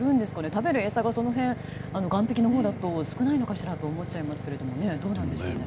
食べる餌が、岸壁のほうだと少ないのかしらと思っちゃいますけどどうなんでしょうね。